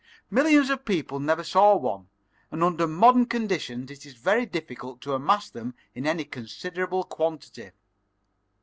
"Millions of people never saw one, and under modern conditions it is very difficult to amass them in any considerable quantity.